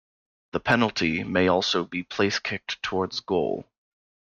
The penalty may also be place-kicked towards goal.